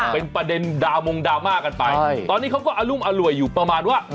เป็นประเด็นดาวมงดราม่ากันไปตอนนี้เขาก็อรุมอร่วยอยู่ประมาณว่า